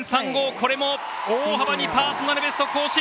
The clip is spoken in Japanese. これも大幅にパーソナルベスト更新！